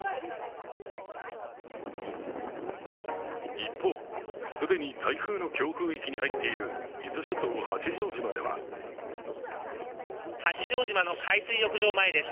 一方、既に台風の強風域に入っている伊豆諸島・八丈島では八丈島の海水浴場前です。